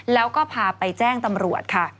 แล้วก็พาไปแจ้งตำรวจค่ะ